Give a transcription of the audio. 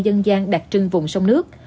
dân gian đặc trưng vùng sông nước